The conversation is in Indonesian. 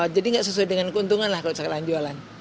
jadi nggak sesuai dengan keuntungan lah kalau misalkan jualan